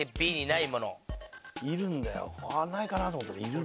ないかなと思ったらいる。